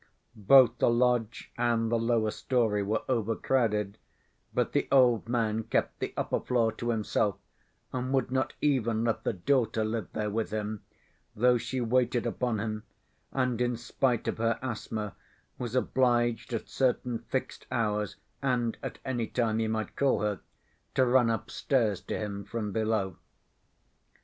Both the lodge and the lower story were overcrowded, but the old man kept the upper floor to himself, and would not even let the daughter live there with him, though she waited upon him, and in spite of her asthma was obliged at certain fixed hours, and at any time he might call her, to run upstairs to him from below.